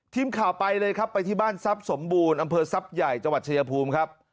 ทิ้งข่าวไปเลยครับไปที่บ้านซับสมบูรณ์อำเภอซับใหญ่จวัดชะยภูมิครับ